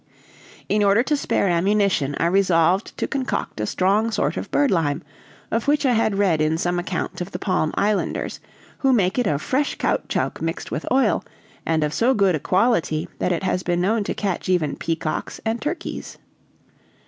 In order to spare ammunition, I resolved to concoct a strong sort of birdlime, of which I had read in some account of the Palm Islanders, who make it of fresh caoutchouc mixed with oil, and of so good a quality that it has been known to catch even peacocks and turkeys.